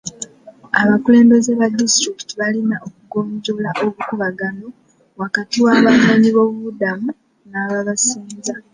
Abakulembeze ba disitulikiti balina okugonjoola obukuubagano wakati w'abanoonyiboobubudamu n'ababasenza.